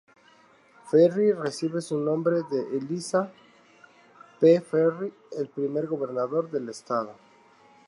Ferry recibe su nombre de Elisha P. Ferry, el primer gobernador del estado.